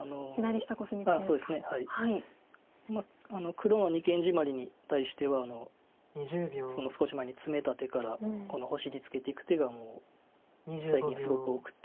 黒の二間ジマリに対してはその少し前にツメた手からこの星にツケていく手が最近すごく多くて。